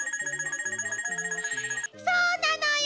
そうなのよ！